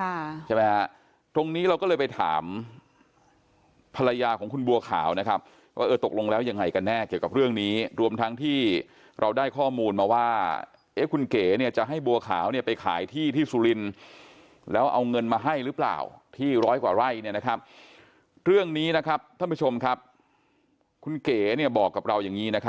ค่ะใช่ไหมฮะตรงนี้เราก็เลยไปถามภรรยาของคุณบัวขาวนะครับว่าเออตกลงแล้วยังไงกันแน่เกี่ยวกับเรื่องนี้รวมทั้งที่เราได้ข้อมูลมาว่าเอ๊ะคุณเก๋เนี้ยจะให้บัวขาวเนี้ยไปขายที่ที่สุรินทร์แล้วเอาเงินมาให้หรือเปล่าที่ร้อยกว่าไร่เนี้ยนะครับเรื่องนี้นะครับท่านผู้ชมครับคุณเก๋เนี้ยบอกกับเราอย่างงี้นะ